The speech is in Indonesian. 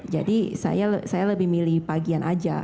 jadi saya lebih milih pagian aja